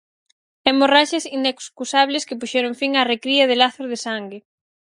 Hemorraxias inexcusables que puxeron fin á recría de lazos de sangue.